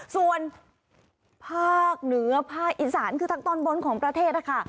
ส่วนภาคเหนือภาคอีสานคือทางตอนบนของประเทศนะคะ